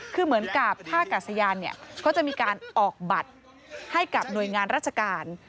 คือเหมือนกับท่ากาศยานเนี่ยก็จะมีการออกบัตรให้กับหน่วยงานราชการ